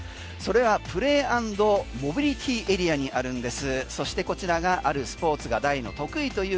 それはプレー＆モビリティエリアにあるんです。